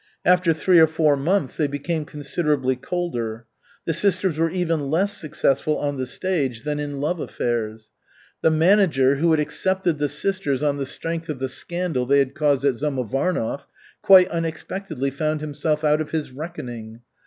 After three or four months they became considerably colder. The sisters were even less successful on the stage than in love affairs. The manager who had accepted the sisters on the strength of the scandal they had caused at Samovarnov quite unexpectedly found himself out of his reckoning.